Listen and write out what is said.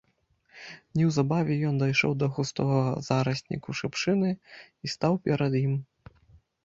Неўзабаве ён дайшоў да густога зарасніку шыпшыны і стаў перад ім.